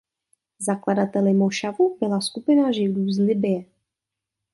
Zakladateli mošavu byla skupina Židů z Libye.